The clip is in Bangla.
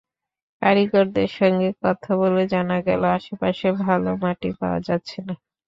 কারিগরদের সঙ্গে কথা বলে জানা গেল, আশপাশে ভালো মাটি পাওয়া যাচ্ছে না।